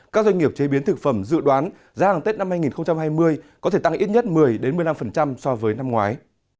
các doanh nghiệp chế biến thực phẩm dự đoán giá hàng tết năm hai nghìn hai mươi có thể tăng ít nhất một mươi một mươi năm so với năm ngoái